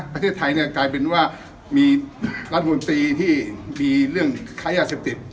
ประเทศไทยเนี่ยกลายเป็นว่ามีรัฐมนตรีที่มีเรื่องค้ายาเสพติด